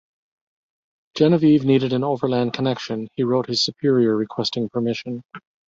Genevieve needed an overland connection, he wrote his superior requesting permission.